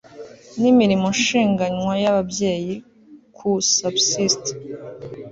n imirimo nshinganywa y ababyeyi ku subsist